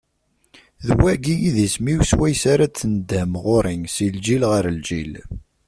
D wagi i d isem-iw swayes ara d-tneddhem ɣur-i, si lǧil ɣer lǧil.